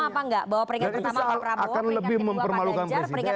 sama apa enggak bahwa peringkat pertama pak prabowo peringkat kedua pak dajar peringkat